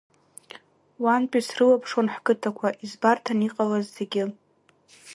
Уантәи срылаԥшуан ҳқыҭақәа, избарҭан иҟалаз зегьы.